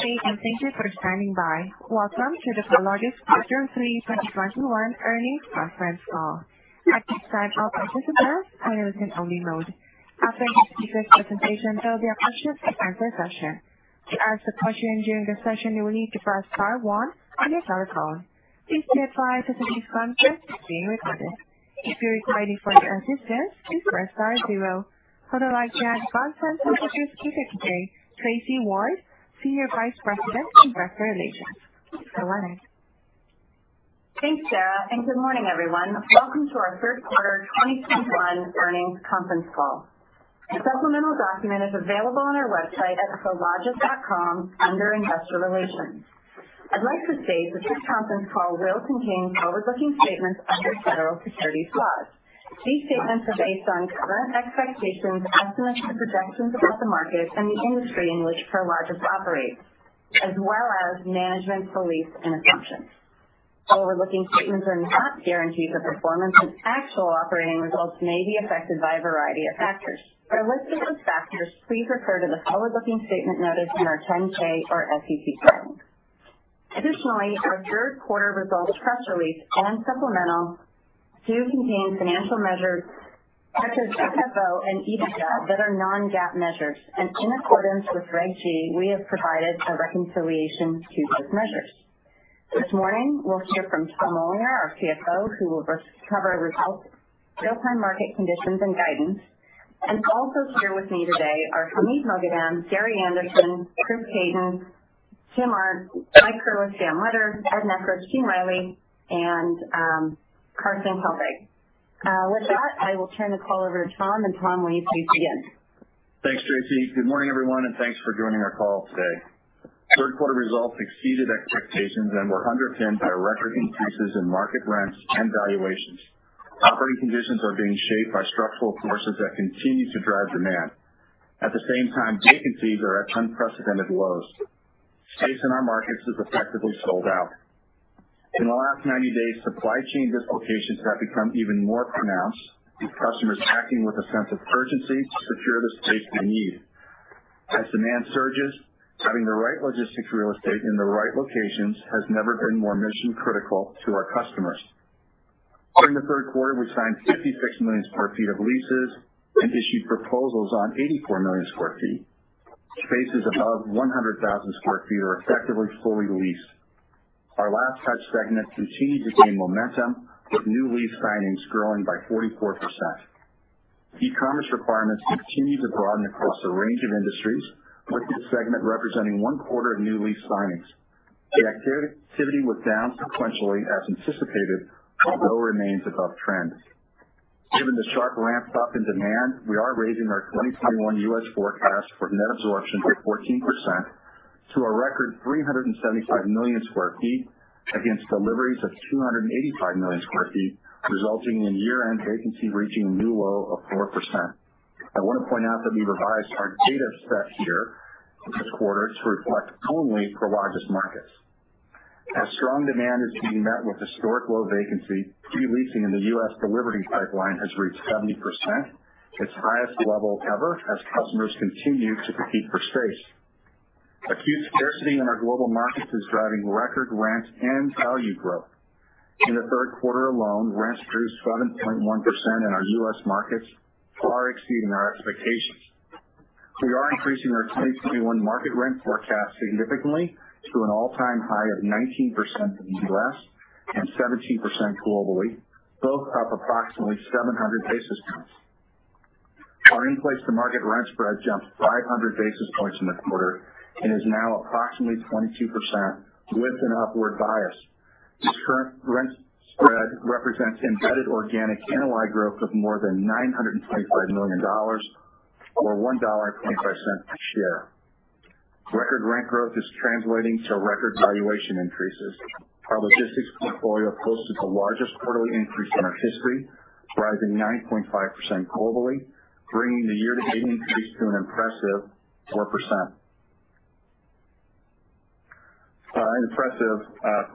Hey, thank you for standing by. Welcome to the Prologis third quarter 2021 earnings conference call. At this time, all participants are in listen-only mode. After the speaker's presentation, there will be a question and answer session. To ask questions during the section you need to press star one on your cellphone. Please be advised that this conference is being recorded. To ask for assistance please press star and zero. Without further ado, I'll introduce Tracy Ward, Senior Vice President of Investor Relations. Go ahead. Thanks, Sarah. Good morning, everyone. Welcome to our third quarter 2021 earnings conference call. A supplemental document is available on our website at prologis.com under Investor Relations. I'd like to state that this conference call will contain forward-looking statements under federal securities laws. These statements are based on current expectations, estimates, and projections about the market and the industry in which Prologis operates, as well as management's beliefs and assumptions. Forward-looking statements are not guarantees of performance. Actual operating results may be affected by a variety of factors. For a list of those factors, please refer to the forward-looking statement notice in our 10-K or SEC filings. Our third quarter results press release and supplemental do contain financial measures such as FFO and EBITDA that are non-GAAP measures. In accordance with Reg G, we have provided a reconciliation to those measures. This morning we'll hear from Tom Olinger, our CFO, who will cover results, real-time market conditions and guidance, and also here with me today are Hamid Moghadam, Gary Anderson, Chris Caton, Tim Arndt, Mike Curless, Dan Letter, Ed Nekritz, Eugene Reilly, and Carson Helbig. With that, I will turn the call over to Tom, and Tom, wave to begin. Thanks, Tracy. Good morning, everyone, and thanks for joining our call today. Third quarter results exceeded expectations and were underpinned by record increases in market rents and valuations. Operating conditions are being shaped by structural forces that continue to drive demand. At the same time, vacancies are at unprecedented lows. Space in our markets is effectively sold out. In the last 90 days, supply chain dislocations have become even more pronounced with customers acting with a sense of urgency to secure the space they need. As demand surges, having the right logistics real estate in the right locations has never been more mission critical to our customers. During the third quarter, we signed 56 million sq ft of leases and issued proposals on 84 million sq ft. Spaces above 100,000 sq ft are effectively fully leased. Our Last Touch segment continued to gain momentum with new lease signings growing by 44%. e-commerce requirements continue to broaden across a range of industries, with this segment representing one quarter of new lease signings. The activity was down sequentially as anticipated, although remains above trend. Given the sharp ramp-up in demand, we are raising our 2021 U.S. forecast for net absorption to 14% to a record 375 million sq ft against deliveries of 285 million sq ft, resulting in year-end vacancy reaching a new low of 4%. I want to point out that we revised our data set here this quarter to reflect only Prologis markets. As strong demand is being met with historic low vacancy, re-leasing in the U.S. delivery pipeline has reached 70%, its highest level ever as customers continue to compete for space. Acute scarcity in our global markets is driving record rent and value growth. In the third quarter alone, rents grew 7.1% in our U.S. markets, far exceeding our expectations. We are increasing our 2021 market rent forecast significantly to an all-time high of 19% in the U.S. and 17% globally, both up approximately 700 basis points. Our in-place to market rent spread jumped 500 basis points in the quarter and is now approximately 22% with an upward bias. This current rent spread represents embedded organic NOI growth of more than $925 million, or $1.25 a share. Record rent growth is translating to record valuation increases. Our logistics portfolio posted the largest quarterly increase in our history, rising 9.5% globally, bringing the year-to-date increase to an impressive 24%.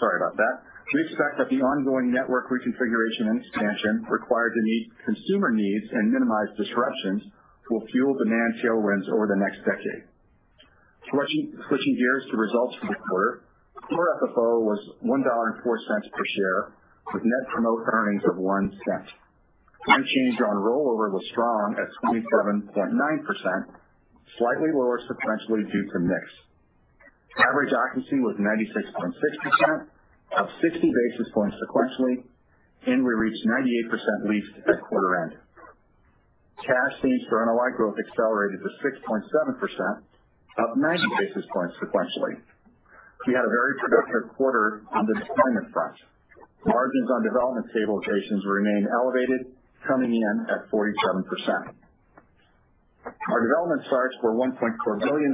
Sorry about that. We expect that the ongoing network reconfiguration and expansion required to meet consumer needs and minimize disruptions will fuel demand tailwinds over the next decade. Switching gears to results for the quarter. Core FFO was $1.04 per share with net promote earnings of $0.01. Rent change on rollover was strong at 27.9%, slightly lower sequentially due to mix. Average occupancy was 96.6%, up 60 basis points sequentially, and we reached 98% leased at quarter end. Cash fees for NOI growth accelerated to 6.7%, up 90 basis points sequentially. We had a very productive quarter on the deployment front. Margins on development stabilizations remain elevated, coming in at 47%. Our development starts were $1.4 billion,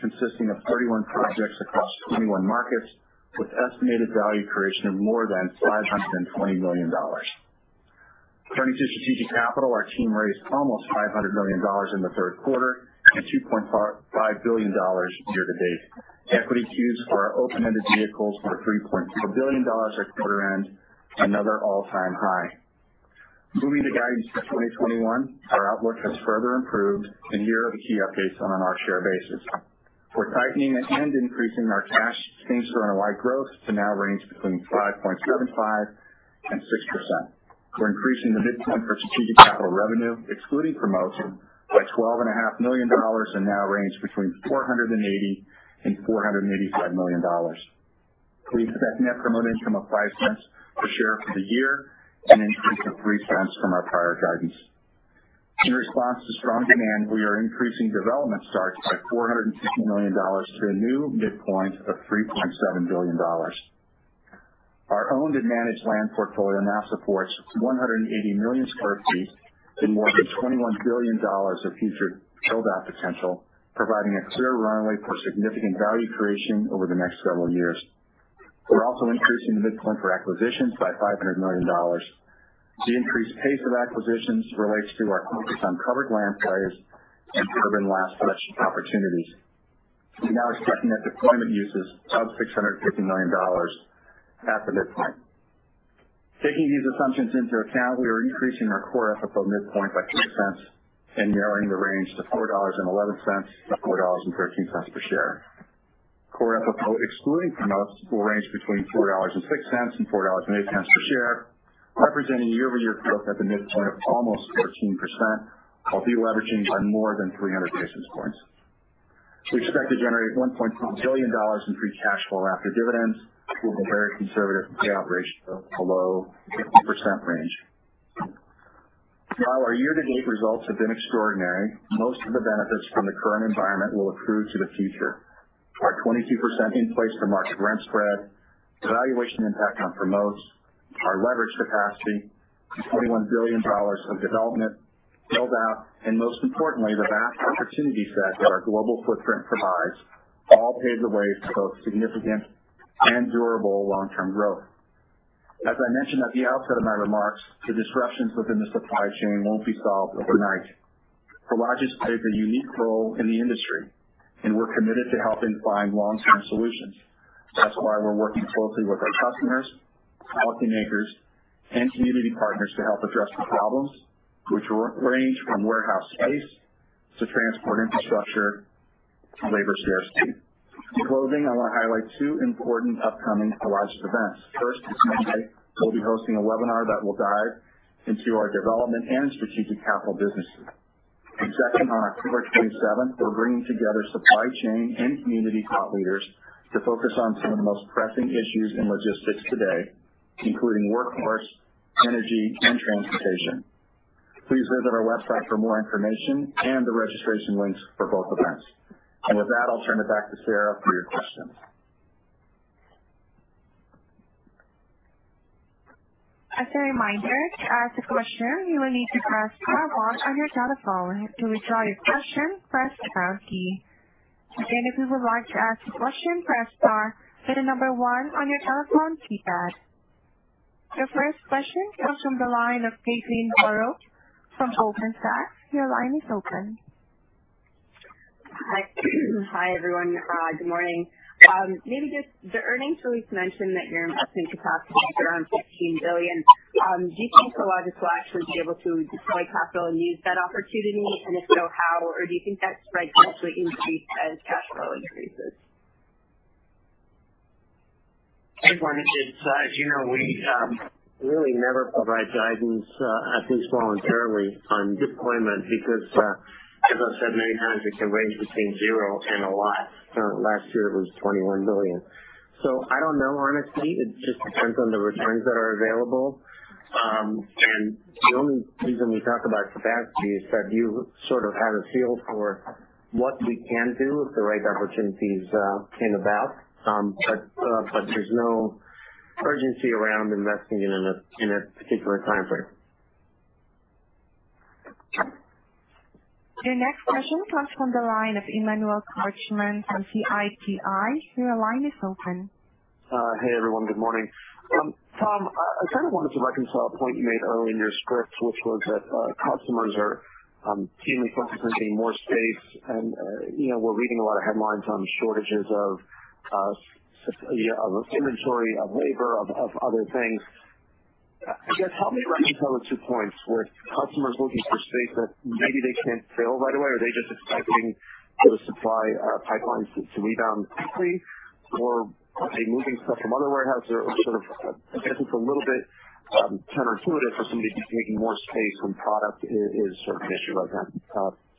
consisting of 31 projects across 21 markets, with estimated value creation of more than $520 million. Turning to strategic capital. Our team raised almost $500 million in the third quarter and $2.5 billion year to date. Equity queues for our open-ended vehicles were $3.2 billion at quarter end, another all-time high. Moving to guidance for 2021, our outlook has further improved, here are the key updates on a per share basis. We're tightening and increasing our cash same-store NOI growth to now range between 5.75% and 6%. We're increasing the midpoint for strategic capital revenue, excluding promotes, by $12.5 million and now range between $480 million and $485 million. We expect net earnings of $0.05 per share for the year, an increase of $0.03 from our prior guidance. In response to strong demand, we are increasing development starts by $450 million to a new midpoint of $3.7 billion. Our owned and managed land portfolio now supports 180 million sq ft in more than $21 billion of future build-out potential, providing a clear runway for significant value creation over the next several years. We're also increasing the midpoint for acquisitions by $500 million. The increased pace of acquisitions relates to our focus on covered land plays and urban last-mile opportunities. We're now expecting that deployment uses of $650 million at the midpoint. Taking these assumptions into account, we are increasing our Core FFO midpoint by $0.03 and narrowing the range to $4.11-$4.13 per share. Core FFO, excluding promotes, will range between $4.06 and $4.08 per share, representing a year-over-year growth at the midpoint of almost 14%, while de-leveraging by more than 300 basis points. We expect to generate $1.2 billion in free cash flow after dividends with a very conservative payout ratio below 50% range. While our year-to-date results have been extraordinary, most of the benefits from the current environment will accrue to the future. Our 22% in-place to market rent spread, valuation impact on promotes, our leverage capacity, $21 billion of development build-out, and most importantly, the vast opportunity set that our global footprint provides all pave the way for both significant and durable long-term growth. As I mentioned at the outset of my remarks, the disruptions within the supply chain won't be solved overnight. Prologis plays a unique role in the industry, and we're committed to helping find long-term solutions. That's why we're working closely with our customers, policymakers, and community partners to help address the problems, which range from warehouse space to transport infrastructure and labor scarcity. In closing, I want to highlight two important upcoming Prologis events. First, this Monday, we'll be hosting a webinar that will dive into our development and strategic capital businesses. Second, on October 27th, we're bringing together supply chain and community thought leaders to focus on some of the most pressing issues in logistics today, including workforce, energy, and transportation. Please visit our website for more information and the registration links for both events. With that, I'll turn it back to Sarah for your questions. As a reminder, to ask a question you will need to press star on your telephone. To withdraw your question press star key. Your first question comes from the line of Caitlin Burrows from Goldman Sachs. Your line is open. Hi, everyone. Good morning. Maybe just the earnings release mentioned that your investment capacity is around $15 billion. Do you think Prologis will actually be able to deploy capital and use that opportunity? If so, how? Do you think that spread will actually increase as cash flow increases? As you know, we really never provide guidance, at least voluntarily, on deployment because, as I've said many times, it can range between zero and a lot. Last year, it was $21 billion. I don't know, honestly. It just depends on the returns that are available. The only reason we talk about capacity is that you sort of have a feel for what we can do if the right opportunities came about. There's no urgency around investing in a particular timeframe. Your next question comes from the line of Emmanuel Korchman from Citi. Your line is open. Hey, everyone. Good morning. Tom, I kind of wanted to reconcile a point you made earlier in your script, which was that customers are keenly focused on getting more space. We're reading a lot of headlines on shortages of inventory, of labor, of other things. I guess, help me reconcile the two points where customers looking for space that maybe they can't fill right away. Are they just expecting the supply pipelines to rebound quickly? Are they moving stuff from other warehouses? Sort of, I guess it's a little bit counterintuitive for somebody to be taking more space when product is sort of an issue like that.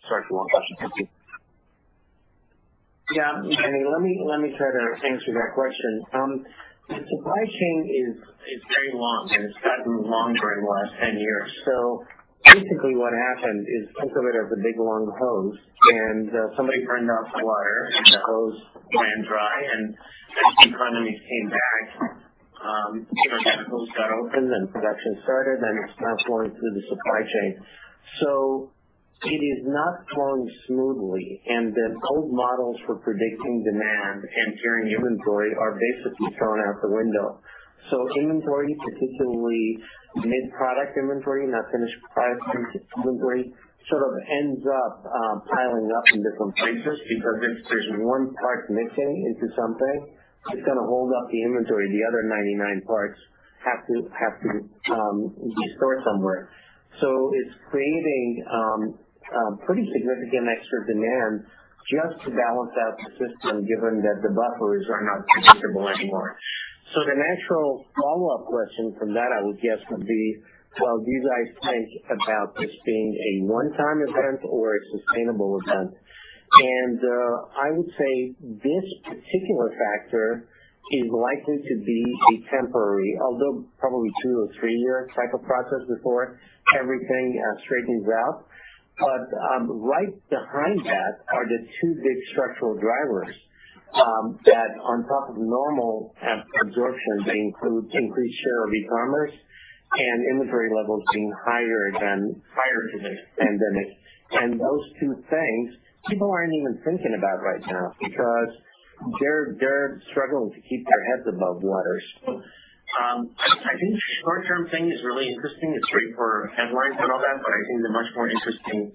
Sorry for the long question. Thank you. Yeah. Let me try to answer that question. The supply chain is very long, and it's gotten longer in the last 10 years. Basically, what happened is think of it as a big, long hose, and somebody turned off the water, and the hose ran dry. As economies came back, different markets got opened, and production started, and it's now flowing through the supply chain. It is not flowing smoothly, and the old models for predicting demand and carrying inventory are basically thrown out the window. Inventory, particularly mid-product inventory, not finished product inventory, sort of ends up piling up in different places because if there's one part missing into something, it's going to hold up the inventory. The other 99 parts have to be stored somewhere. It's creating a pretty significant extra demand just to balance out the system, given that the buffers are not predictable anymore. The natural follow-up question from that, I would guess, would be, well, do you guys think about this being a one-time event or a sustainable event? I would say this particular factor is likely to be temporary, although probably a two or three-year type of process before everything straightens out. Right behind that are the two big structural drivers that on top of normal absorption, they include increased share of e-commerce and inventory levels being higher than prior to this pandemic. Those two things people aren't even thinking about right now because they're struggling to keep their heads above water. I think the short-term thing is really interesting. It's great for headlines and all that, but I think the much more interesting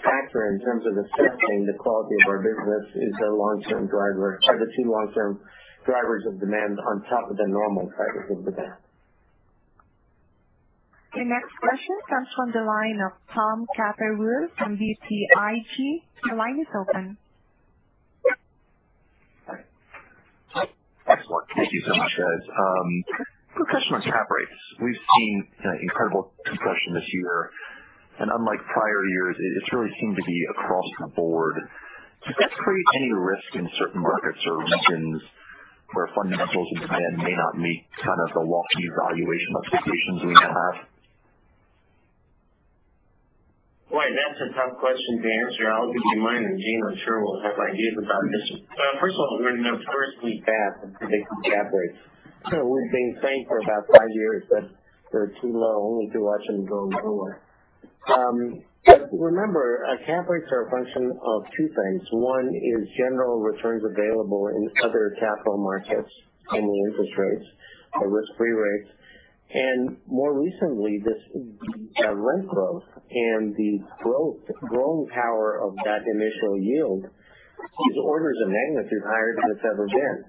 factor in terms of assessing the quality of our business is the long-term driver or the two long-term drivers of demand on top of the normal drivers of demand. The next question comes from the line of Tom Catherwood from BTIG. Your line is open. Excellent. Thank you so much, guys. A question on cap rates. We've seen incredible compression this year, and unlike prior years, it's really seemed to be across the board. Does that create any risk in certain markets or regions where fundamentals and demand may not meet kind of the lofty valuation expectations we now have? Boy, that's a tough question to answer. I'll give you mine, and Eugene, I'm sure, will have ideas about this. First of all, we're in the first week back of predicting cap rates. We've been saying for about five years that they're too low, only to watch them go lower. Remember, cap rates are a function of two things. One is general returns available in other capital markets, mainly interest rates or risk-free rates. More recently, this rent growth and the growing power of that initial yield is orders of magnitude higher than it's ever been.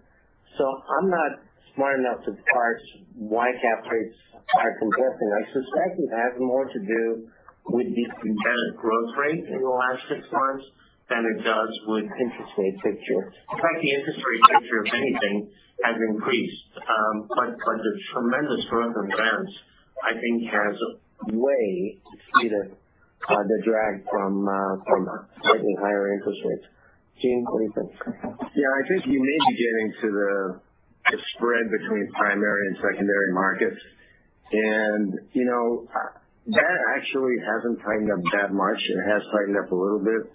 I'm not smart enough to parse why cap rates are compressing. I suspect it has more to do with the demand growth rate in the last six months than it does with the interest rate picture. In fact, the interest rate picture, if anything, has increased. The tremendous growth in rents, I think, has a way to see the drag from slightly higher interest rates. Eugene, what do you think? Yeah. I think you may be getting to the spread between primary and secondary markets. That actually hasn't tightened up that much. It has tightened up a little bit.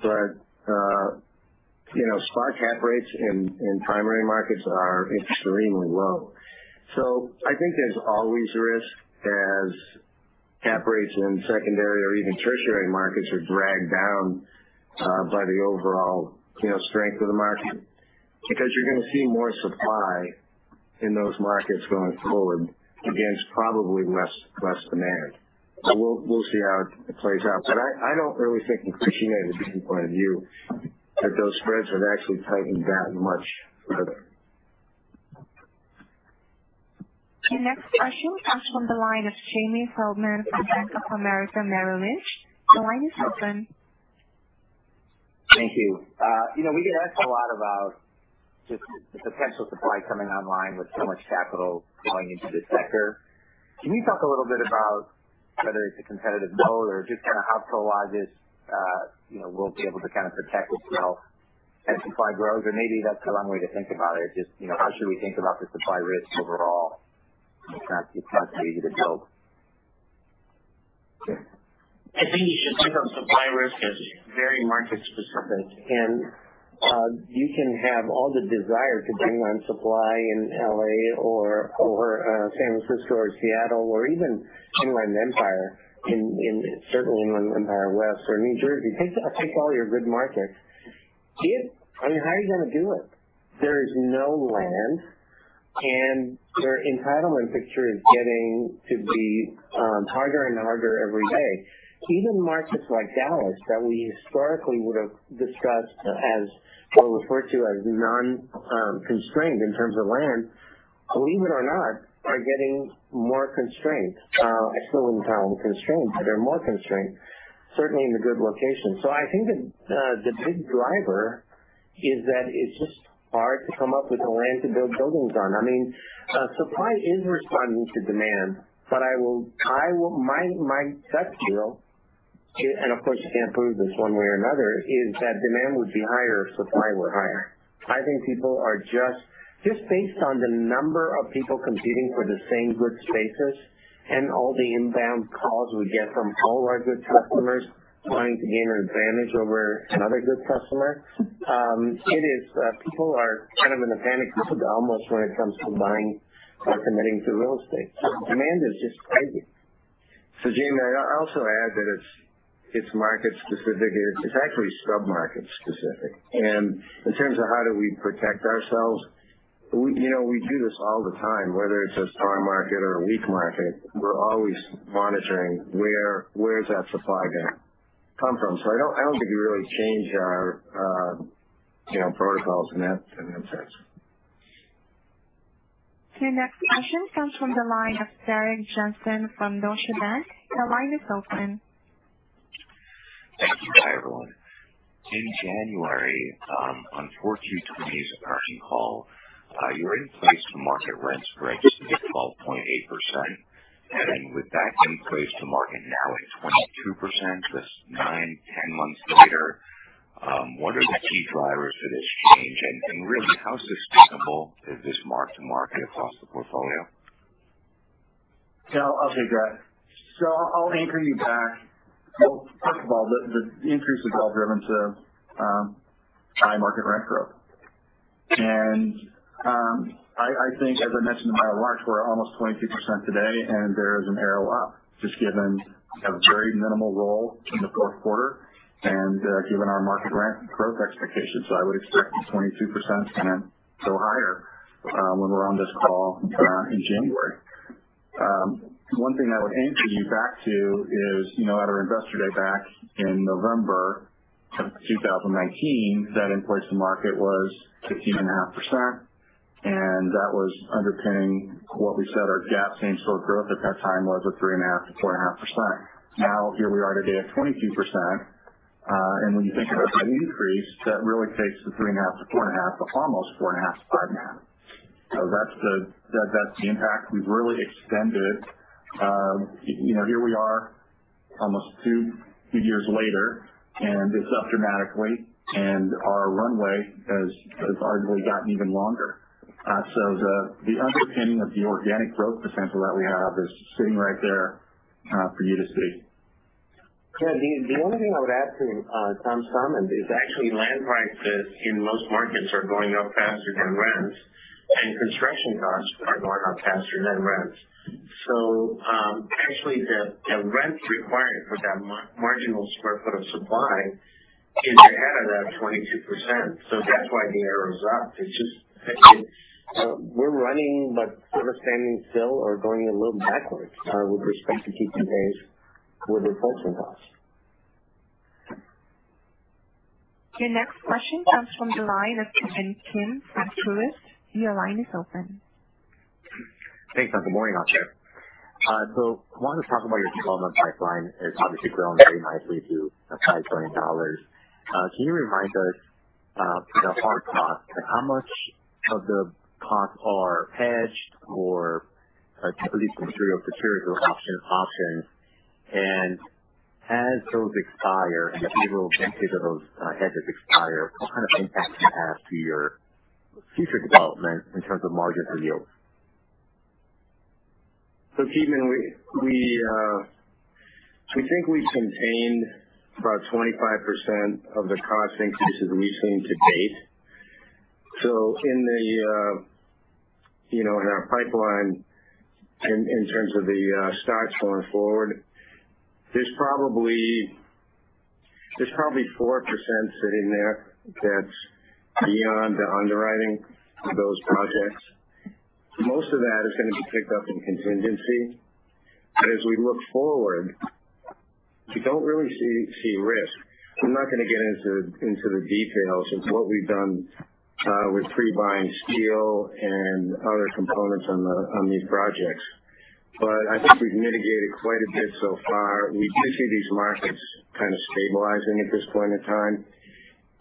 Spot cap rates in primary markets are extremely low. I think there's always a risk as cap rates in secondary or even tertiary markets are dragged down by the overall strength of the market because you're going to see more supply in those markets going forward against probably less demand. We'll see how it plays out. I don't really think, from a uncertain standpoint of view, that those spreads have actually tightened that much further. Your next question comes from the line of Jamie Feldman from Bank of America Merrill Lynch. Your line is open. Thank you. We get asked a lot about just the potential supply coming online with so much capital going into this sector. Can you talk a little bit about whether it's a competitive moat or just kind of how Prologis will be able to kind of protect itself as supply grows? Maybe that's the wrong way to think about it. Just how should we think about the supply risk overall? If that's easy to tell. I think you should think about supply risk as very market-specific. You can have all the desire to bring on supply in L.A. or San Francisco or Seattle or even Inland Empire, certainly Inland Empire West or New Jersey. Take all your good markets. How are you going to do it? There is no land, and their entitlement picture is getting to be harder and harder every day. Even markets like Dallas that we historically would have discussed as what we refer to as non-constrained in terms of land, believe it or not, are getting more constrained. Still entitlement-constrained, but they're more constrained, certainly in the good locations. I think the big driver is that it's just hard to come up with the land to build buildings on. Supply is responding to demand, but my gut feel, and of course, you can't prove this one way or another, is that demand would be higher if supply were higher. I think people are just based on the number of people competing for the same good spaces and all the inbound calls we get from all our good customers trying to gain an advantage over another good customer, people are kind of in a panic almost when it comes to buying or committing to real estate. Demand is just crazy. Jamie, I also add that it's market-specific. It's actually sub-market specific. In terms of how do we protect ourselves, we do this all the time, whether it's a strong market or a weak market. We're always monitoring where's that supply going to come from. I don't think we really change our protocols in that sense. Your next question comes from the line of Derek Johnston from Deutsche Bank. Your line is open. Thank you. Hi, everyone. In January, on 4Q 2020's earnings call, your in-place-to-market rents were 12.8%. With that in-place-to-market now at 22%, that's nine, 10 months later. What are the key drivers for this change? Really, how sustainable is this mark-to-market across the portfolio? Yeah. I'll take that. I'll anchor you back. Well, first of all, the increase is all driven to high market rent growth. I think, as I mentioned in my remarks, we're almost 22% today, and there is an arrow up, just given a very minimal roll in the fourth quarter and given our market rent growth expectations. I would expect the 22% to go higher when we're on this call in January. One thing I would anchor you back to is, at our Investor Day back in November 2019, that in-place-to-market was 15.5%, and that was underpinning what we said our GAAP same-store growth at that time was at 3.5%-4.5%. Now, here we are today at 22%. When you think about that increase, that really takes the 3.5%-4.5% up almost 4.5%-5.5%. That's the impact. We've really extended. Here we are almost two years later, and it's up dramatically, and our runway has arguably gotten even longer. The underpinning of the organic growth potential that we have is sitting right there for you to see. Yeah, the only thing I would add to Tom's comment is actually land prices in most markets are going up faster than rents, and construction costs are going up faster than rents. Actually the rent required for that marginal square foot of supply is ahead of that 22%. That's why the arrow is up. It's just we're running but sort of standing still or going a little backwards with respect to keeping pace with inflation costs. Your next question comes from the line of Ki Bin Kim from Truist. Your line is open. Thanks. Good morning out there. I wanted to talk about your development pipeline. It's obviously grown very nicely to $5.20. Can you remind us the hard costs and how much of the costs are hedged or I believe some material of materials or options. As those expire and the annual benefit of those hedges expire, what kind of impact can it have to your future development in terms of margins or yields? Ki Bin Kim, we think we've contained about 25% of the cost increases we've seen to date. In our pipeline in terms of the starts going forward, there's probably 4% sitting there that's beyond the underwriting of those projects. Most of that is going to be picked up in contingency. As we look forward, we don't really see risk. I'm not going to get into the details of what we've done with pre-buying steel and other components on these projects, but I think we've mitigated quite a bit so far. We do see these markets kind of stabilizing at this point in time.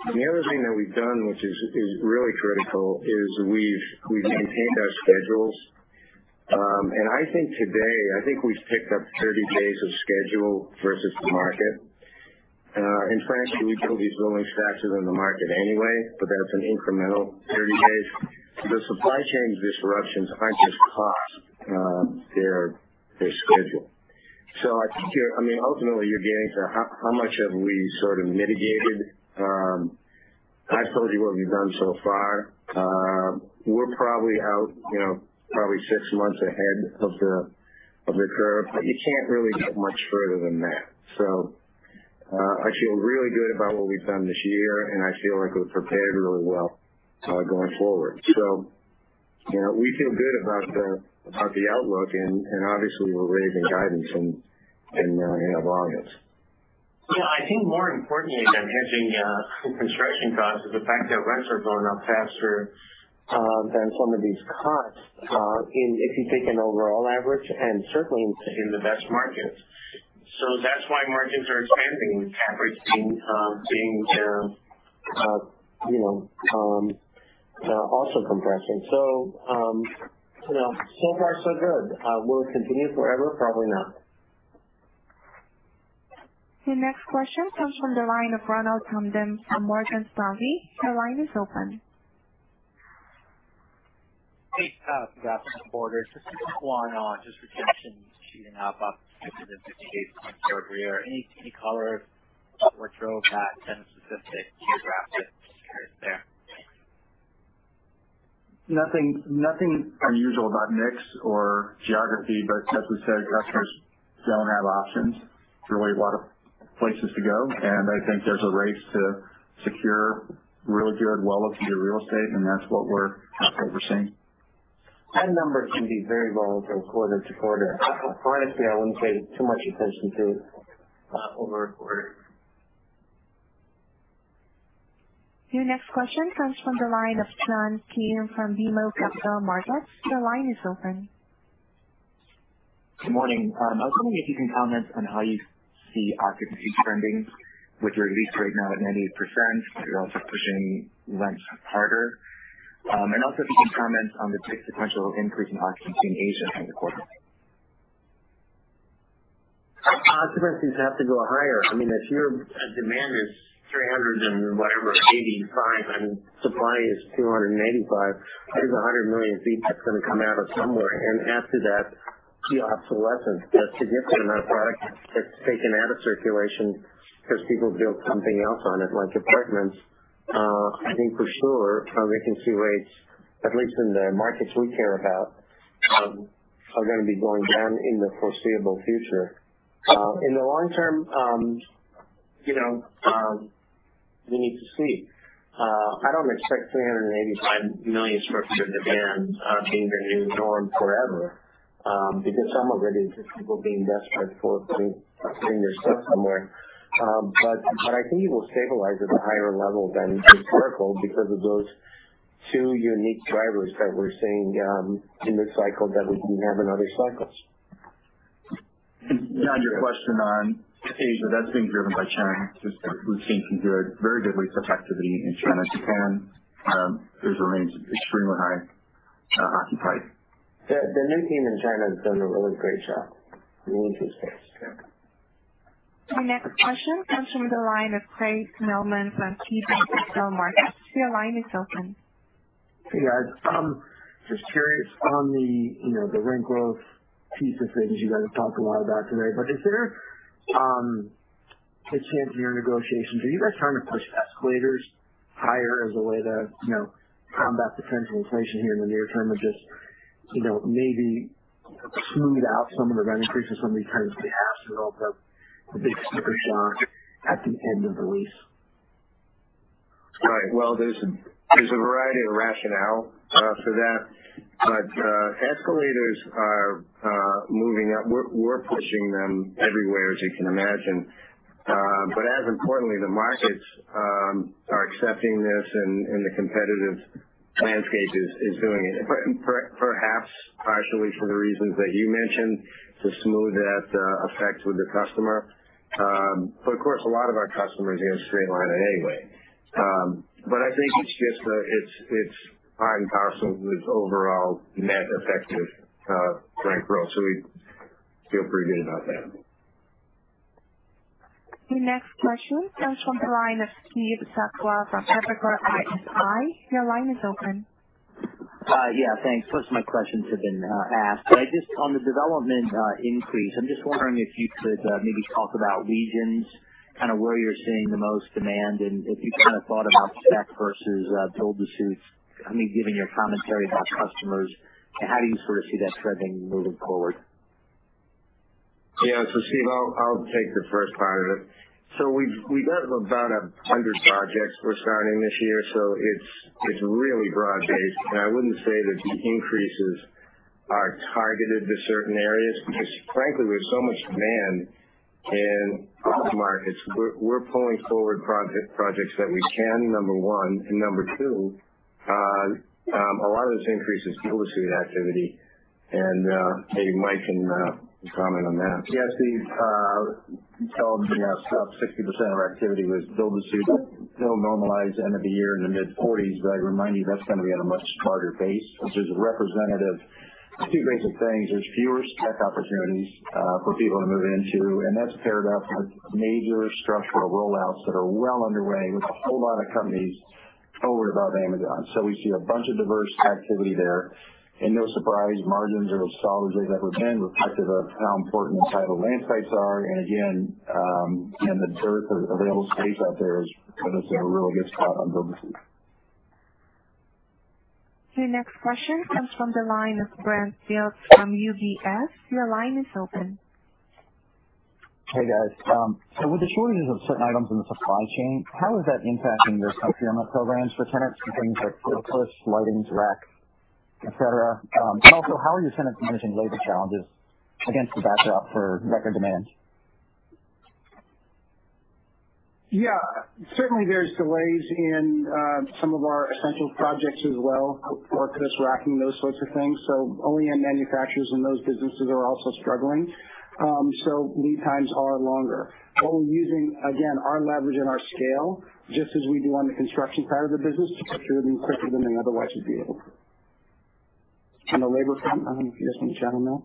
The other thing that we've done, which is really critical, is we've maintained our schedules. I think today, I think we've picked up 30 days of schedule versus the market. In France, we build these buildings faster than the market anyway, but that's an incremental 30 days. The supply chain disruptions aren't just cost, they're schedule. I think ultimately you're getting to how much have we sort of mitigated? I've told you what we've done so far. We're probably out six months ahead of the curve, but you can't really get much further than that. I feel really good about what we've done this year, and I feel like we've prepared really well going forward. We feel good about the outlook and obviously we're raising guidance in May or August. Yeah. I think more importantly than hedging construction costs is the fact that rents are going up faster than some of these costs if you take an overall average and certainly in the best markets. That's why margins are expanding with cap rates being there also compressing. So far so good. Will it continue forever? Probably not. Your next question comes from the line of Ronald Kamdem from Morgan Stanley. Your line is open. Hey, guys. Good morning. This is Juan. Just retention shooting up 50 to 58 points year-over-year. Any color what drove that specific geographic strength there? Nothing unusual about mix or geography, but as we said, customers don't have options, really a lot of places to go, and I think there's a race to secure really good, well-located real estate, and that's what we're seeing. That number can be very volatile quarter-to-quarter. Quite honestly, I wouldn't pay too much attention to it over a quarter. Your next question comes from the line of John Kim from BMO Capital Markets. Your line is open. Good morning. I was wondering if you can comment on how you see occupancy trending, which you're at least right now at 98%. You're also pushing rents harder. Also, if you can comment on the sequential increase in occupancy in Asia as a quarter. Occupancies have to go higher. If your demand is 385, and supply is 285, there's 100 million sq ft that's going to come out of somewhere. After that, you have obsolescence. That's a different amount of product that's taken out of circulation because people build something else on it, like apartments. I think for sure, vacancy rates, at least in the markets we care about, are going to be going down in the foreseeable future. In the long term, we need to see. I don't expect 385 million sq ft of demand being the new norm forever because some of it is just people being desperate for putting their stuff somewhere. I think it will stabilize at a higher level than historical because of those two unique drivers that we're seeing in this cycle that we didn't have in other cycles. John, your question on Asia, that's being driven by China. We've seen some very good lease activity in China. Japan, theirs remains extremely high occupied. The new team in China has done a really great job. Really interesting. Your next question comes from the line of Craig Mailman from KeyBanc Capital Market. Your line is open. Hey, guys. Just curious on the rent growth piece of things you guys have talked a lot about today. Consider the champion negotiations. Are you guys trying to push escalators higher as a way to combat the potential inflation here in the near term or just maybe smooth out some of the rent increases some of these tenants may have through all the big sticker shock at the end of the lease? Right. Well, there's a variety of rationale for that. Escalators are moving up. We're pushing them everywhere, as you can imagine. As importantly, the markets are accepting this and the competitive landscape is doing it, perhaps partially for the reasons that you mentioned, to smooth that effect with the customer. Of course, a lot of our customers are going to streamline it anyway. I think it's part and parcel with overall net effective rent growth. We feel pretty good about that. Your next question comes from the line of Steve Sakwa from Evercore ISI. Your line is open. Yeah, thanks. Most of my questions have been asked. Just on the development increase, I'm just wondering if you could maybe talk about regions, kind of where you're seeing the most demand, and if you've kind of thought about spec versus build-to-suit, maybe giving your commentary about customers, and how do you sort of see that trending moving forward? Yeah. Steve, I'll take the first part of it. We've got about 100 projects we're starting this year, so it's really broad-based. I wouldn't say that the increases are targeted to certain areas because frankly, there's so much demand in all the markets. We're pulling forward projects that we can, number one. Number two, a lot of those increases, build-to-suit activity, and maybe Mike can comment on that. Steve. I would tell them we have about 60% of our activity with build-to-suit. That'll normalize end of the year in the mid-forties. I remind you, that's going to be on a much harder base, which is representative of two basic things. There's fewer spec opportunities for people to move into, and that's paired up with major structural rollouts that are well underway with a whole lot of companies worried about Amazon. We see a bunch of diverse activity there. No surprise, margins are as solid as they've ever been, reflective of how important entitled land sites are, and again, the dearth of available space out there has us in a really good spot on build-to-suit. Your next question comes from the line of Brent Dilts from UBS. Your line is open. Hey, guys. With the shortages of certain items in the supply chain, how is that impacting your Essentials programs for tenants, things like forklifts, lighting, racking, et cetera? How are your tenants managing labor challenges against the backdrop for record demand? Yeah. Certainly, there's delays in some of our Essentials projects as well for crisscrossing those sorts of things. OEM manufacturers in those businesses are also struggling. Lead times are longer. We're using, again, our leverage and our scale, just as we do on the construction side of the business, to get through them quicker than they otherwise would be able to. On the labor front, I don't know if you guys want to chime in now.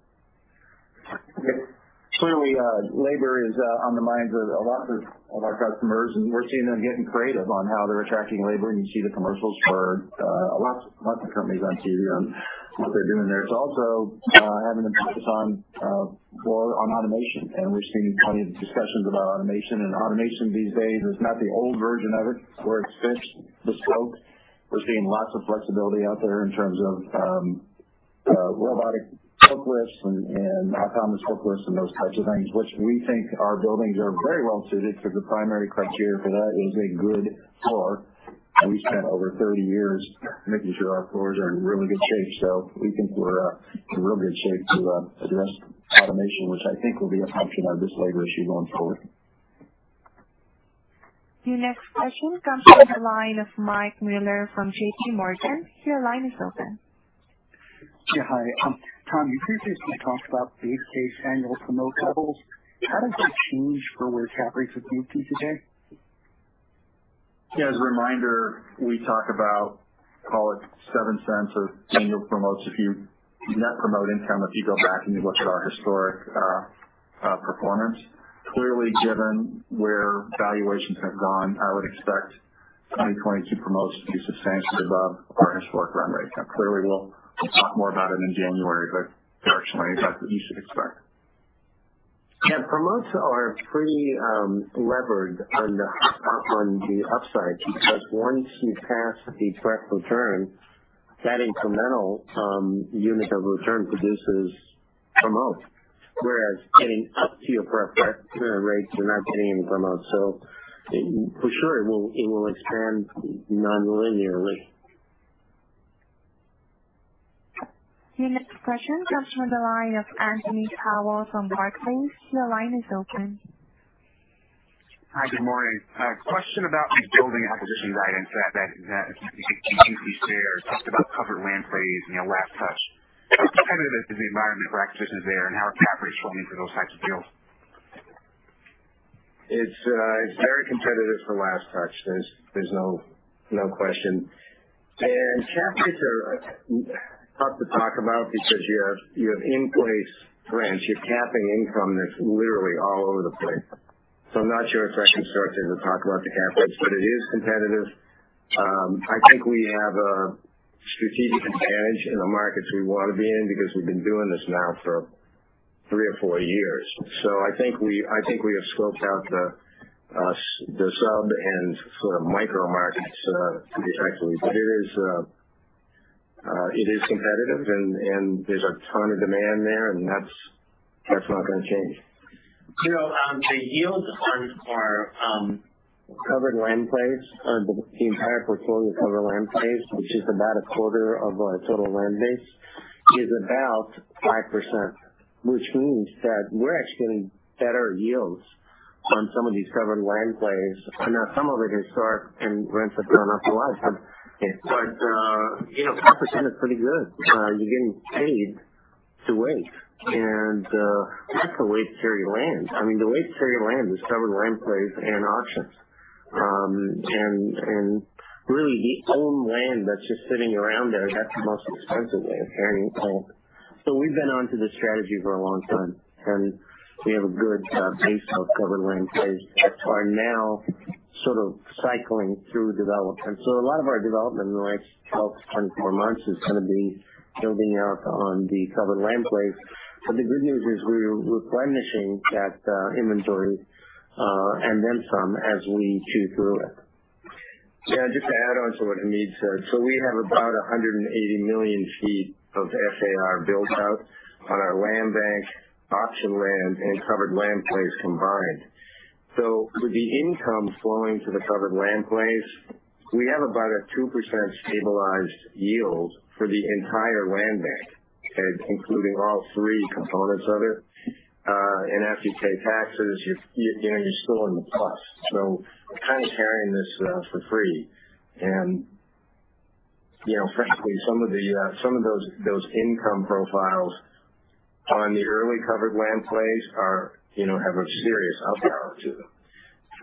Clearly, labor is on the minds of a lot of our customers, and we're seeing them getting creative on how they're attracting labor. You see the commercials for lots of companies on TV and what they're doing there. It's also having an emphasis on automation, and we're seeing plenty of discussions about automation. Automation these days is not the old version of it where it's fixed to scope. We're seeing lots of flexibility out there in terms of robotic forklifts and autonomous forklifts and those types of things, which we think our buildings are very well suited because the primary criteria for that is a good floor. We spent over 30 years making sure our floors are in really good shape. We think we're in real good shape to address automation, which I think will be a function of this labor issue going forward. Your next question comes from the line of Michael Mueller from JPMorgan. Your line is open. Yeah, hi. Tom, you previously talked about base case annual promote levels. How does that change for where cap rates have moved to today? As a reminder, we talk about, call it $0.07 of annual promotes if you net promote income, if you go back and you look at our historic performance. Clearly, given where valuations have gone, I would expect 2022 promotes to be substantially above our historic run rates. Now, clearly, we'll talk more about it in January, directionally, that's what you should expect. Yeah. Promotes are pretty levered on the upside because once you pass the breakeven return, that incremental unit of return produces promotes. Whereas getting up to your breakeven rates, you're not getting any promotes. For sure, it will expand non-linearly. Your next question comes from the line of Anthony Powell from Barclays. Your line is open. Hi, good morning. A question about the building acquisition guidance that the OTC shares talked about covered land plays and your Last Touch. How competitive is the environment for acquisitions there and how are cap rates flowing for those types of deals? It's very competitive for Last Touch. There's no question. Cap rates are tough to talk about because you have in-place rents. You're capping income that's literally all over the place. I'm not sure it's actually constructive to talk about the cap rates, but it is competitive. I think we have a strategic advantage in the markets we want to be in, because we've been doing this now for three or four years. I think we have scoped out the sub and sort of micro markets pretty effectively. It is competitive and there's a ton of demand there, and that's not going to change. The yields on our covered land plays, on the entire portfolio covered land plays, which is about a quarter of our total land base, is about 5%, which means that we're actually getting better yields on some of these covered land plays. I know some of it is historic and rents have gone up a lot, 5% is pretty good. You're getting paid to wait, that's the wait category land. I mean, the wait category land is covered land plays and auctions. Really, owned land that's just sitting around there, that's the most expensive way of carrying it all. We've been onto this strategy for a long time, and we have a good base of covered land plays that are now sort of cycling through development. A lot of our development in the next 12 to 24 months is going to be building out on the covered land plays. The good news is we're replenishing that inventory and then some as we chew through it. Yeah, just to add on to what Hamid said. We have about 180 million feet of FAR built out on our land bank, auction land, and covered land plays combined. With the income flowing to the covered land plays, we have about a 2% stabilized yield for the entire land bank, including all three components of it. After you pay taxes, you're still in the plus. We're kind of carrying this for free. Frankly, some of those income profiles on the early covered land plays have a serious up-arrow to them. It's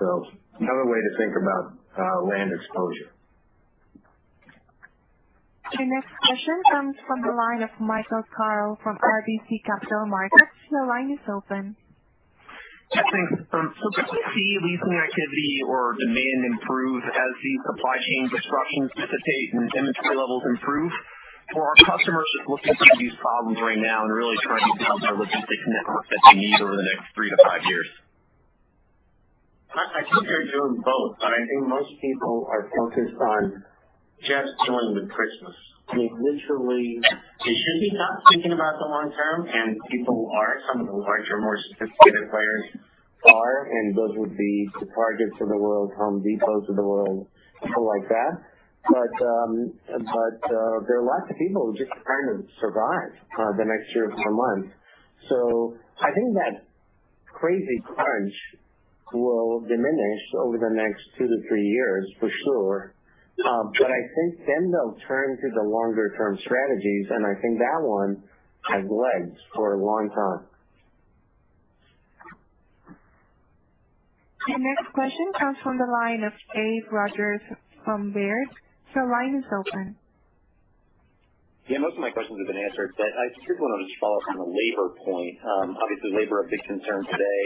another way to think about land exposure. Your next question comes from the line of Michael Carroll from RBC Capital Markets. Your line is open. Yeah, thanks. From folks who see leasing activity or demand improve as these supply chain disruptions dissipate and inventory levels improve, for our customers just looking to solve these problems right now and really trying to build their logistics network that they need over the next three to five years. I think they're doing both. I think most people are focused on just joining the Christmas. They literally should be not thinking about the long term, and people are. Some of the larger, more sophisticated players are, and those would be the Targets of the world, Home Depots of the world, people like that. There are lots of people just trying to survive the next year or two months. I think that crazy crunch will diminish over the next two to three years, for sure. I think then they'll turn to the longer-term strategies, and I think that one has legs for a long time. Your next question comes from the line of Dave Rodgers from Baird. Your line is open. Yeah, most of my questions have been answered, but I did want to just follow up on the labor point. Obviously, labor, a big concern today,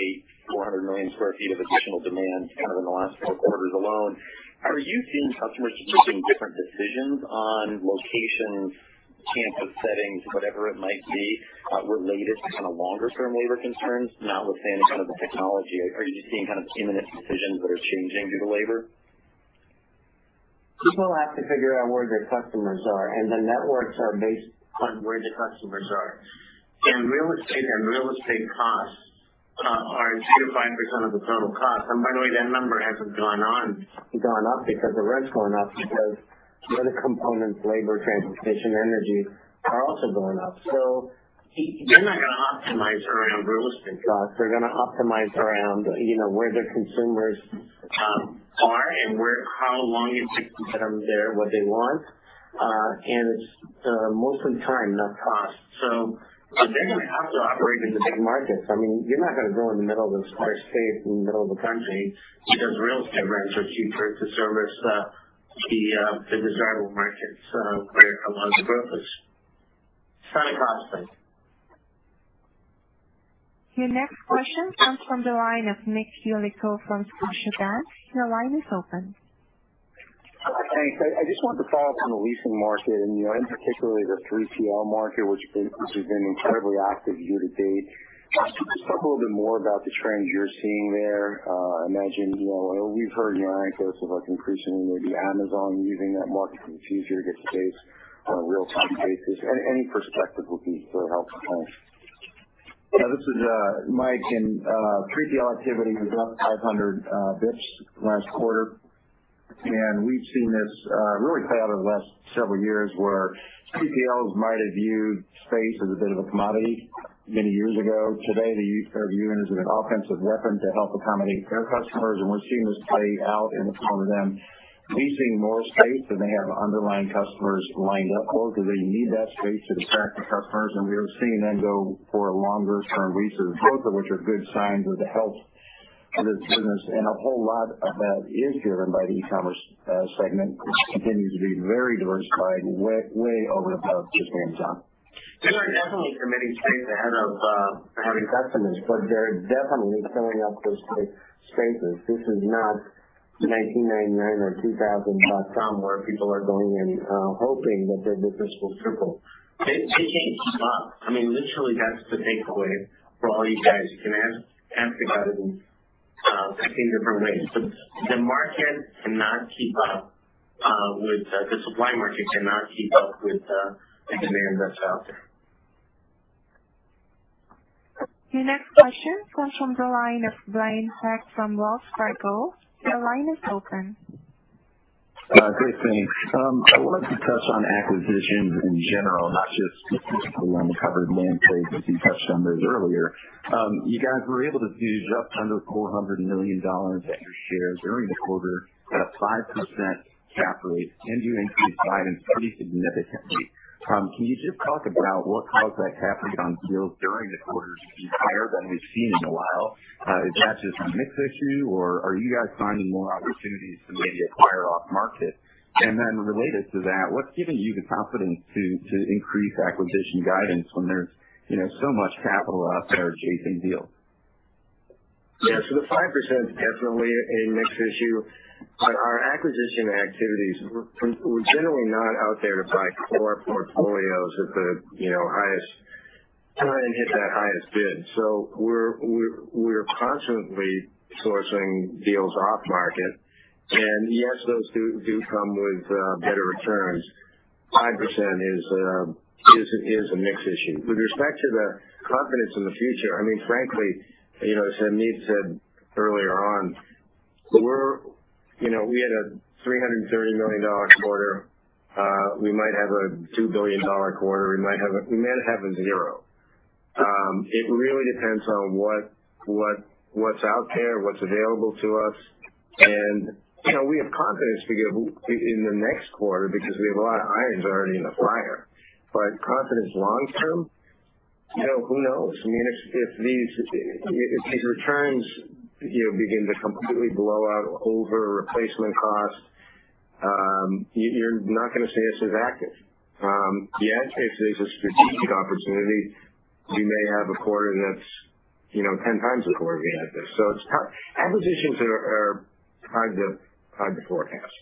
400 million square feet of additional demand kind of in the last 4 quarters alone. Are you seeing customers making different decisions on locations, campus settings, whatever it might be, related to kind of longer-term labor concerns? Notwithstanding kind of the technology. Are you seeing kind of imminent decisions that are changing due to labor? People have to figure out where their customers are, and the networks are based on where the customers are. Real estate and real estate costs are 2% to 5% of the total cost. By the way, that number hasn't gone up because of rents going up because the other components, labor, transportation, energy, are also going up. They're not going to optimize around real estate costs. They're going to optimize around where their consumers are and how long it takes to get them there, what they want, and it's mostly time, not cost. They're going to have to operate in the big markets. You're not going to go in the middle of this sparse space in the middle of the country because real estate rents are cheaper to service the desirable markets where a lot of the growth is. It's not a cost thing. Your next question comes from the line of Nicholas Yulico from Scotiabank. Your line is open. Thanks. I just wanted to follow up on the leasing market and in particular the 3PL market, which has been incredibly active year to date. Talk a little bit more about the trends you're seeing there. I imagine we've heard anecdotes of increasingly maybe Amazon using that market for future good space on a real-time basis. Any perspective would be very helpful. Thanks. This is Mike. 3PL activity was up 500 basis points last quarter, we've seen this really play out over the last several years, where 3PLs might have viewed space as a bit of a commodity many years ago. Today, they view it as an offensive weapon to help accommodate their customers, we're seeing this play out in the form of them leasing more space than they have underlying customers lined up for because they need that space to attract the customers. we are seeing them go for longer-term leases, both of which are good signs of the health of this business. a whole lot of that is driven by the e-commerce segment, which continues to be very diversified, way over about just Amazon. They are definitely committing space ahead of having customers, they're definitely filling up those spaces. This is not 1999 or 2000 dot-com, where people are going in hoping that their business will triple. They can't keep up. Literally, that's the takeaway for all you guys. You can ask the guidance 15 different ways, the supply market cannot keep up with the demand that's out there. Your next question comes from the line of Blaine Heck from Wells Fargo. Your line is open. Great, thanks. I wanted to touch on acquisitions in general, not just specifically on the covered land space, which you touched on those earlier. You guys were able to do just under $400 million at your shares during the quarter at a 5% cap rate, and you increased guidance pretty significantly. Can you just talk about what caused that cap rate on deals during the quarter to be higher than we've seen in a while? Is that just a mix issue, or are you guys finding more opportunities to maybe acquire off-market? Related to that, what's giving you the confidence to increase acquisition guidance when there's so much capital out there chasing deals? The 5% is definitely a mix issue. On our acquisition activities, we're generally not out there to buy core portfolios at the highest try and hit that highest bid. We're constantly sourcing deals off-market. Yes, those do come with better returns. 5% is a mix issue. With respect to the confidence in the future, frankly, as Hamid said earlier on, we had a $330 million quarter. We might have a $2 billion quarter. We might have a zero. It really depends on what's out there, what's available to us, and we have confidence in the next quarter because we have a lot of irons already in the fire. Confidence long term, who knows? If these returns begin to completely blow out over replacement cost, you're not going to see us as active. Yes, if there's a strategic opportunity, we may have a quarter that's 10x the quarter we had this. Acquisitions are hard to forecast.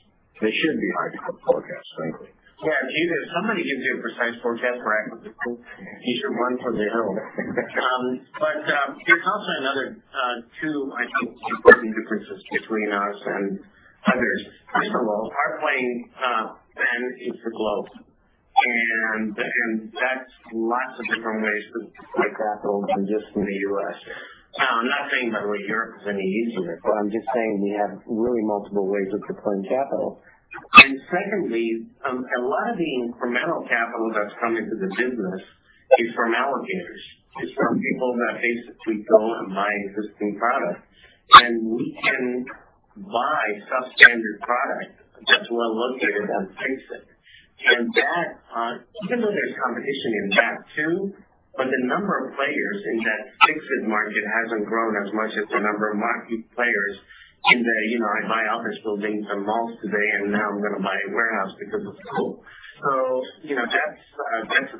They should be hard to forecast, frankly. If somebody gives you a precise forecast for acquisitions, you should run for the hills. There's also another two, I think, important differences between us and others. First of all, our playing span is the globe, and that's lots of different ways to deploy capital than just in the U.S. I'm not saying by the way Europe is any easier, but I'm just saying we have really multiple ways we could deploy capital. Secondly, a lot of the incremental capital that's come into the business is from allocators, is from people that basically go and buy existing product, and we can buy substandard product that's well located on fixed. Even though there's competition in that too, but the number of players in that fixed market hasn't grown as much as the number of marquee players in the, I buy office buildings and malls today, and now I'm going to buy a warehouse because it's cool. That's the difference.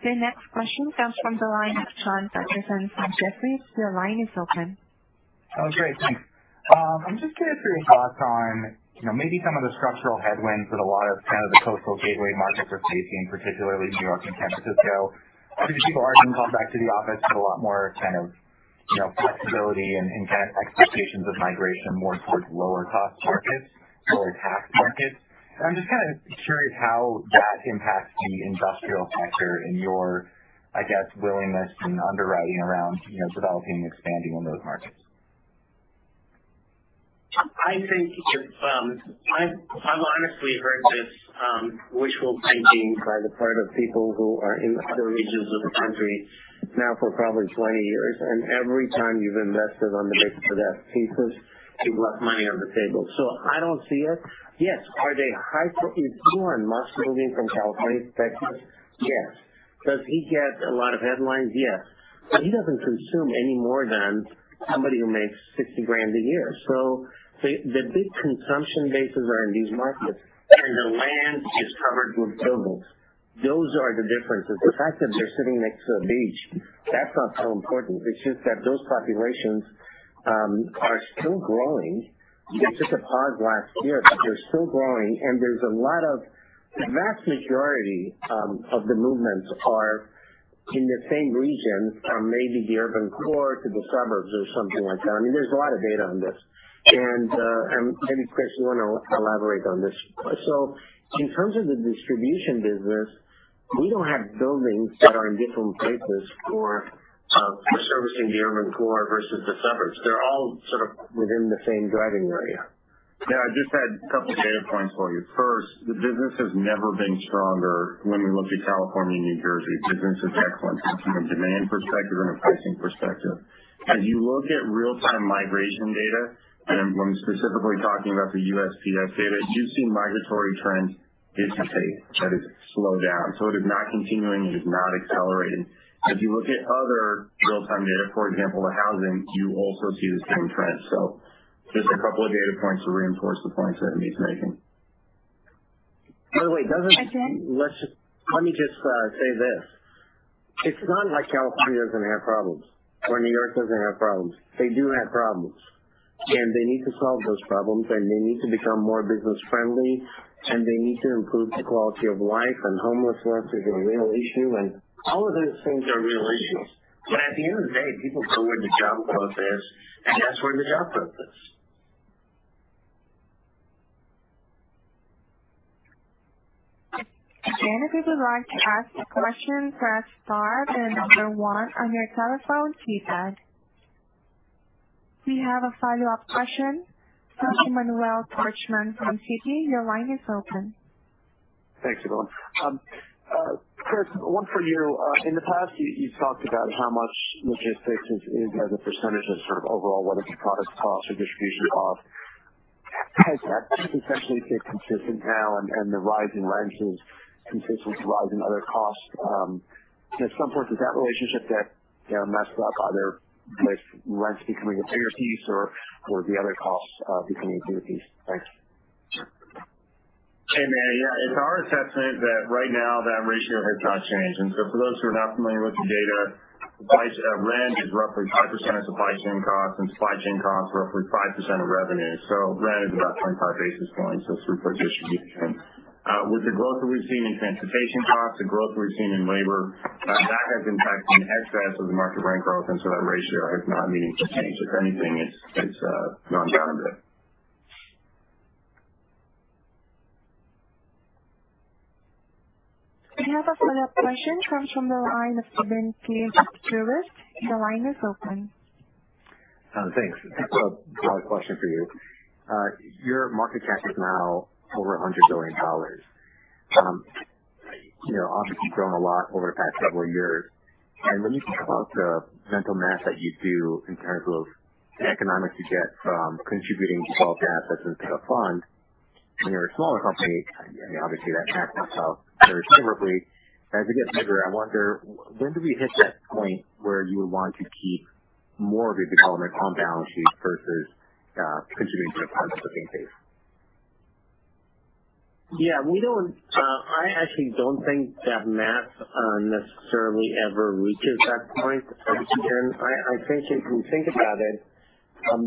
The next question comes from the line of Jonathan Petersen from Jefferies. Your line is open. Oh, great. Thanks. I'm just curious for your thoughts on maybe some of the structural headwinds that a lot of the coastal gateway markets are facing, particularly New York and San Francisco. Obviously, people are going to come back to the office, a lot more flexibility and expectations of migration more towards lower cost markets or tax markets. I'm just curious how that impacts the industrial sector and your, I guess, willingness in underwriting around developing and expanding in those markets. I think I've honestly heard this wishful thinking by the part of people who are in other regions of the country now for probably 20 years. Every time you've invested on the basis of that thesis, you've left money on the table. I don't see it. Yes. Is Elon Musk moving from California to Texas? Yes. Does he get a lot of headlines? Yes. He doesn't consume any more than somebody who makes $60,000 a year. The big consumption bases are in these markets. The land is covered with buildings. Those are the differences. The fact that they're sitting next to a beach, that's not so important. It's just that those populations are still growing. There's just a pause last year. They're still growing. The vast majority of the movements are in the same region from maybe the urban core to the suburbs or something like that. There's a lot of data on this. Maybe Chris, you want to elaborate on this. In terms of the distribution business, we don't have buildings that are in different places for servicing the urban core versus the suburbs. They're all sort of within the same driving area. Yeah. I just had a couple of data points for you. First, the business has never been stronger when we look at California and New Jersey. Business is excellent from a demand perspective and a pricing perspective. As you look at real-time migration data, and I'm specifically talking about the USPS data, you see migratory trends dictate that it's slowed down. It is not continuing. It is not accelerating. As you look at other real-time data, for example, the housing, you also see the same trend. Just a couple of data points to reinforce the points that Hamid's making. By the way, let me just say this. It's not like California doesn't have problems or New York doesn't have problems. They do have problems, and they need to solve those problems, and they need to become more business-friendly, and they need to improve the quality of life, and homelessness is a real issue, and all of those things are real issues. At the end of the day, people go where the job growth is, and that's where the job growth is. We have a follow-up question from Emmanuel Korchman from Citi. Your line is open. Thanks, Evelyn. Chris, one for you. In the past, you've talked about how much logistics is as a % of sort of overall, whether it's product cost or distribution cost. Has that essentially stayed consistent now and the rise in rents is consistent to rise in other costs? At some point, is that relationship that messed up either with rents becoming a bigger piece or the other costs becoming a bigger piece? Thanks. Hey, Manny. It's our assessment that right now that ratio has not changed. For those who are not familiar with the data, rent is roughly 5% of supply chain costs, and supply chain costs are roughly 5% of revenue. Rent is about 25 basis points of throughput distribution. With the growth we're seeing in transportation costs, the growth we're seeing in labor, that has in fact been ahead of the rest of the market rent growth, and so that ratio has not needed to change. If anything, it's gone down a bit. We have a follow-up question from the line of Ki Bin Kim, Truist. Your line is open. Thanks. I have a question for you. Your market cap is now over $100 billion. Obviously, you've grown a lot over the past several years. When you talk about the mental math that you do in terms of the economics you get from contributing to 12 assets into a fund, when you're a smaller company, obviously that math works out very favorably. As it gets bigger, I wonder, when do we hit that point where you would want to keep more of your development on balance sheet versus contributing to funds at the same pace? Yeah. I actually don't think that math necessarily ever reaches that point, Ki Bin. I think if you think about it,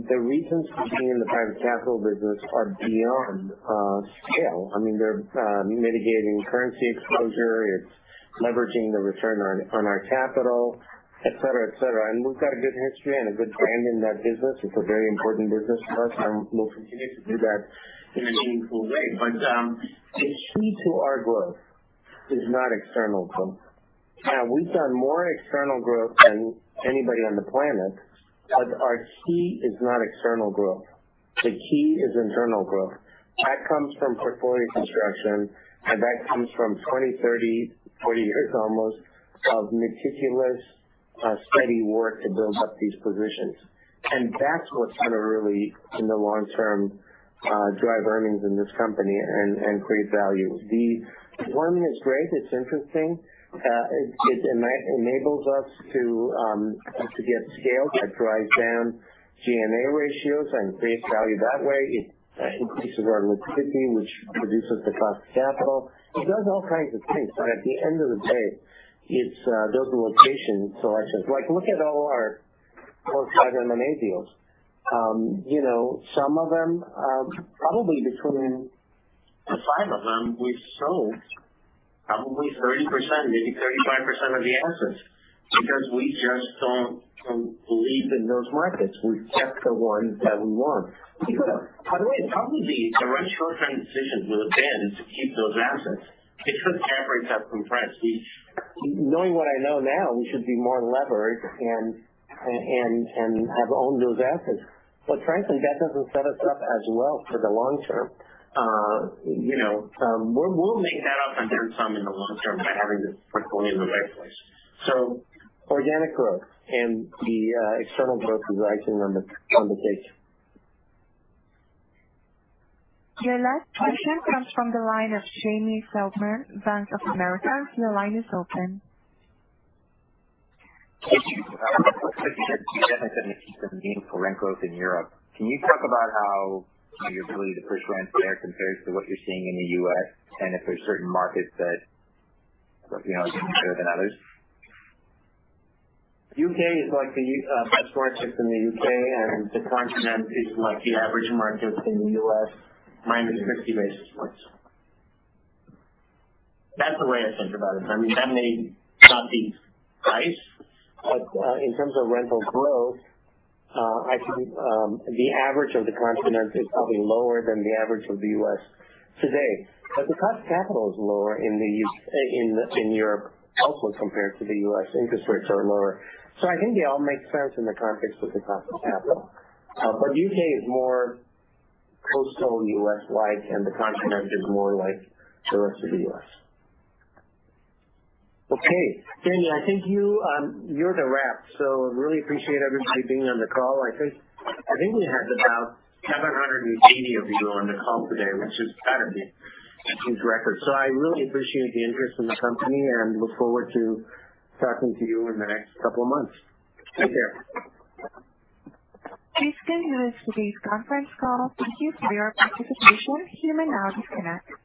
the reasons for being in the private capital business are beyond scale. They're mitigating currency exposure. It's leveraging the return on our capital, et cetera. We've got a good history and a good brand in that business. It's a very important business for us, and we'll continue to do that in a meaningful way. The key to our growth is not external growth. Now, we've done more external growth than anybody on the planet, but our key is not external growth. The key is internal growth. That comes from portfolio construction, and that comes from 20, 30, 40 years almost of meticulous, steady work to build up these positions. That's what's going to really, in the long term, drive earnings in this company and create value. The fund is great. It's interesting. It enables us to get scale that drives down G&A ratios and create value that way. It increases our liquidity, which reduces the cost of capital. It does all kinds of things. At the end of the day, it's those location selections. Like, look at all our core five M&A deals. Some of them, probably between the five of them, we sold probably 30%, maybe 35% of the assets because we just don't believe in those markets. We kept the ones that we want. By the way, probably the right short-term decision would have been to keep those assets because cap rates have compressed each. Knowing what I know now, we should be more levered and have owned those assets. Frankly, that doesn't set us up as well for the long term. We'll make that up in terms some in the long term by having this portfolio in the right place. Organic growth and the external growth is actually on the table. Your last question comes from the line of Jamie Feldman, Bank of America. Your line is open. You had said in 2017 for rent growth in Europe. Can you talk about how your ability to push rents there compares to what you're seeing in the U.S., and if there are certain markets that are looking better than others? U.K. is like the best markets in the U.K., and the continent is like the average markets in the U.S. minus 50 basis points. That's the way I think about it. That may not be price. In terms of rental growth, I think the average of the continent is probably lower than the average of the U.S. today. The cost of capital is lower in Europe also compared to the U.S. Interest rates are lower. I think it all makes sense in the context of the cost of capital. U.K. is more coastal U.S.-like, and the continent is more like the rest of the U.S. Okay, Jamie, I think you're the wrap. Really appreciate everybody being on the call. I think we had about 780 of you on the call today, which has got to be a huge record. I really appreciate the interest in the company, and look forward to talking to you in the next couple of months. Take care. This concludes today's conference call. Thank you for your participation. You may now disconnect.